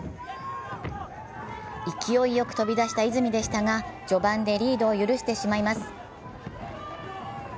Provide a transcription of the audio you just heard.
勢いよく飛び出した泉でしたが序盤でリードを許してしまいます。